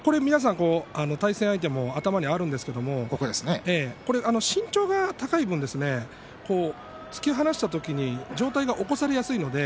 対戦相手も頭にあるんですが身長が高い分、突き放した時に上体が起こされやすいんですね。